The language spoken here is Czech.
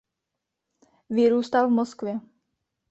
Vyrůstal v Moskvě.